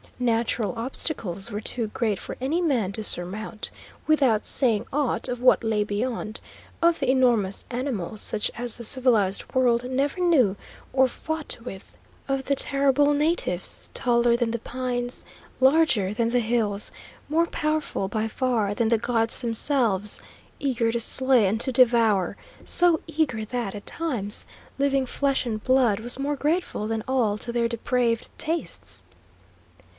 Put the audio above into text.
Natural obstacles were too great for any man to surmount, without saying aught of what lay beyond; of the enormous animals, such as the civilised world never knew or fought with; of the terrible natives, taller than the pines, larger than the hills, more powerful by far than the gods themselves, eager to slay and to devour, so eager that, at times, living flesh and blood was more grateful than all to their depraved tastes!